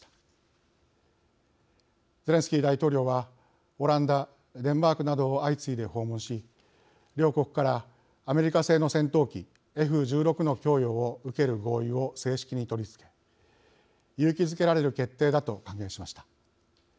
ゼレンスキー大統領はオランダデンマークなどを相次いで訪問し両国からアメリカ製の戦闘機Ｆ１６の供与を受ける合意を正式に取り付け勇気づけられる決定だと歓迎しました。